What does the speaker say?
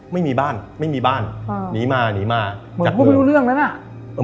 ไม่มีบ้านไม่มีบ้านหนีมาเหมือนพวกพี่รู้เรื่องแล้วนะ